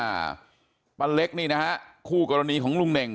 อ่าป้าเล็กนี่นะฮะคู่กรณีของลุงเน่ง